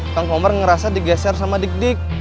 kang homer ngerasa digeser sama dikdik